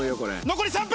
残り３分。